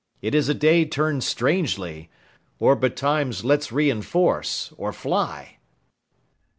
It is a day turn'd strangely. Or betimes Let's reinforce or fly.